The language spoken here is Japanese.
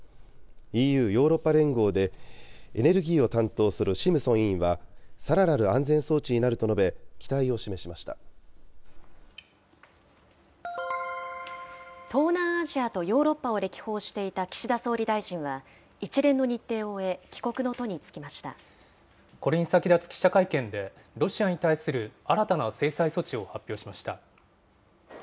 ＥＵ・ヨーロッパ連合でエネルギーを担当するシムソン委員は、さらなる安全装置になると述べ、期東南アジアとヨーロッパを歴訪していた岸田総理大臣は、一連の日程を終え、帰国の途に就きまこれに先立つ記者会見で、ロシアに対する新たな制裁措置を発表しました。